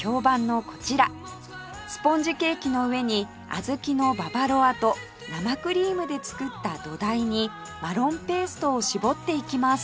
スポンジケーキの上に小豆のババロアと生クリームで作った土台にマロンペーストを絞っていきます